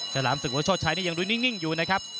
ฉลามศึกวัชชัยนี่ยังดูนิ่งอยู่นะครับ